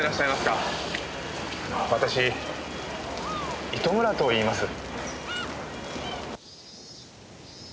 私糸村といいます。